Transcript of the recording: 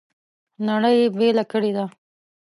نړۍ یې بېله کړې ده.